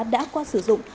đã qua sử dụng